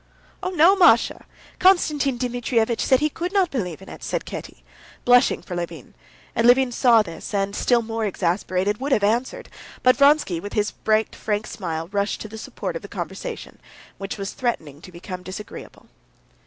"Oh, no, Masha, Konstantin Dmitrievitch said he could not believe in it," said Kitty, blushing for Levin, and Levin saw this, and, still more exasperated, would have answered, but Vronsky with his bright frank smile rushed to the support of the conversation, which was threatening to become disagreeable.